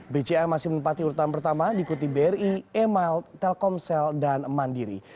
bca masih menempati urutan pertama dikuti bri e mail telkomsel dan mandiri